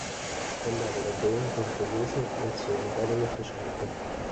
Fu fondata dai coloni portoghesi verso la metà dell'ottocento.